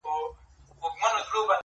ستا قدم زموږ یې لېمه خو غریبي ده,